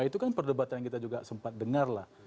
itu kan perdebatan yang kita juga sempat dengar lah